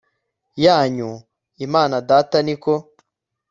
yanyu, imana data ni ko